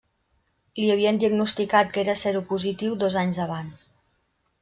Li havien diagnosticat que era seropositiu dos anys abans.